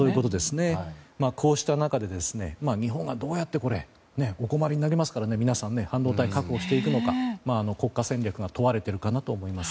こうした中で、日本は困りますからねどう半導体を確保していくのか国家戦略が問われていると思います。